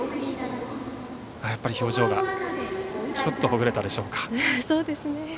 やっぱり表情がちょっとほぐれたでしょうか。